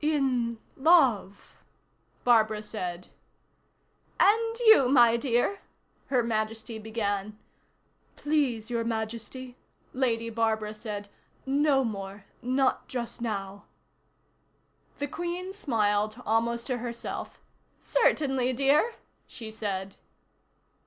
"In... love...." Barbara said. "And you, my dear " Her Majesty began. "Please, Your Majesty," Lady Barbara said. "No more. Not just now." The Queen smiled, almost to herself. "Certainly, dear," she said.